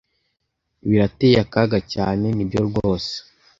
birateye akaga cyane nibyo rwose